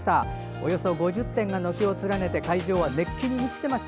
およそ５０店が軒を連ねて会場は熱気に満ちていました。